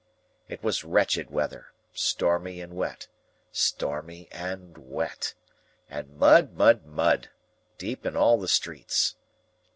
It was wretched weather; stormy and wet, stormy and wet; and mud, mud, mud, deep in all the streets.